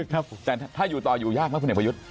แต่ถ้าอยู่ต่อมาอยู่ยากนะคุณเหนียวพยุทธ